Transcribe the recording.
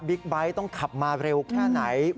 ไบท์ต้องขับมาเร็วแค่ไหน